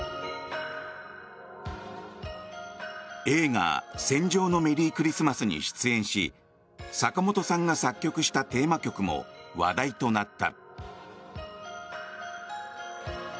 映画「戦場のメリークリスマス」に出演し坂本さんが作曲したテーマ曲も話題となった。